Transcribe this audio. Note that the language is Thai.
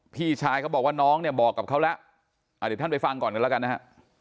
พี่ชายเขาบอกว่าน้องเนี่ยบอกกับเขาแล้วเดี๋ยวท่านไปฟังก่อนกันแล้วกันนะฮะ